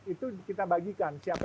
itu kita bagikan siapa